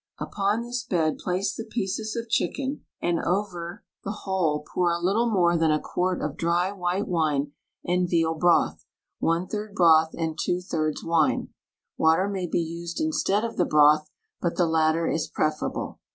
Upon this bed place the pieces of chicken and over the THE STAG COOK BOOK whole pour a little more than a quart of dry white wine and veal broth — one third broth and two thirds wine. Water may be used instead of the broth but the latter is preferable.